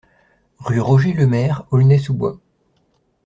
Rue Roger Lemaire, Aulnay-sous-Bois